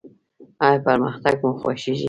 ایا پرمختګ مو خوښیږي؟